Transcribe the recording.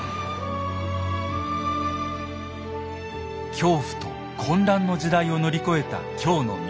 恐怖と混乱の時代を乗り越えた京の都。